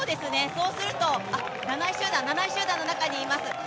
そうするとあっ７位集団の中にいます。